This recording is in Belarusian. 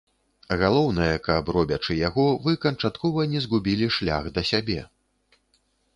Галоўнае, каб робячы яго, вы канчаткова не згубілі шлях да сябе.